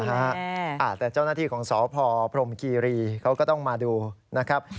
แต่เจ้าหน้าที่ของสพพรมคีรีเขาก็ต้องมาดูนะครับ